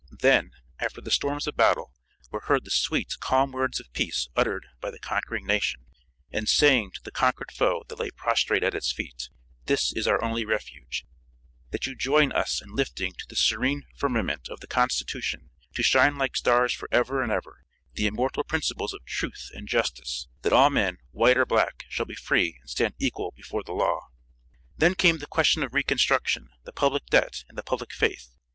Then, after the storms of battle, were heard the sweet, calm words of peace uttered by the conquering nation, and saying to the conquered foe that lay prostrate at its feet: 'This is our only refuge, that you join us in lifting to the serene firmament of the Constitution, to shine like stars for ever and ever, the immortal principles of truth and justice, that all men, white or black, shall be free and stand equal before the law.' "Then came the question of reconstruction, the public debt, and the public faith.